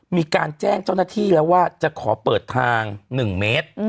มีการแจ้งเจ้าหน้าที่แล้วว่าจะขอเปิดทาง๑เมตร